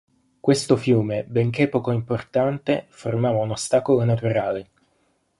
Questo fiume, benché poco importante, formava un ostacolo naturale.